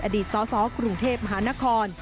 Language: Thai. อดีตสสกรุงเทพมหานคร